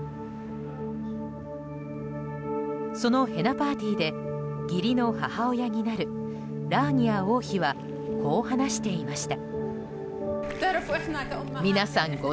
そのヘナ・パーティーで義理の母親になるラーニア王妃はこう話していました。